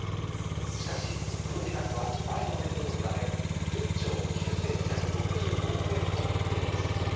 しかし黒字額は前の年度と比べ、１０兆９２６５億円に減っています。